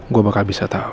gue bakal bisa tau